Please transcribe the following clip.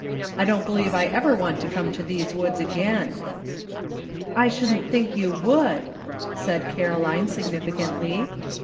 "I don't believe I ever want to come to these woods again." " I shouldn't think you would," said Caroline significantly.